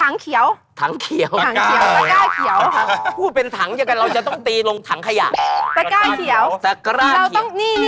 นี่ไงเป็นพีชชิรัจฉนกอินทนน